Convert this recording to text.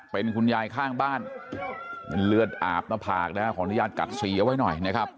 เป็นคุณยายข้างบ้านเป็นเลือดอาบหน้าผากนะฮะขออนุญาตกัดสีเอาไว้หน่อยนะครับ